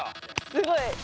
すごい。